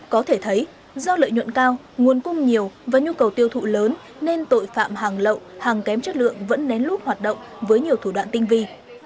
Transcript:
có thể thấy do lợi nhuận cao nguồn cung nhiều và nhu cầu tiêu thụ lớn nên tội phạm hàng lậu hàng kém chất lượng vẫn nén lút hoạt động với nhiều thủ đoạn tinh vi